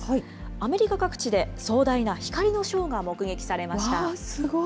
アメリカ各地で壮大な光のショーが目撃されました。